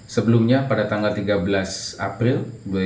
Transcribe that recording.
sebelumnya pada tanggal tiga belas april dua ribu dua puluh